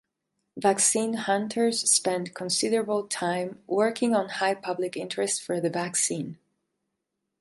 Vaccine Hunters spent considerable time working on high public interest for the vaccine.